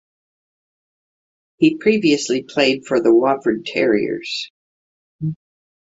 He previously played for the Wofford Terriers.